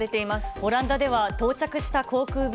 オランダでは到着した航空便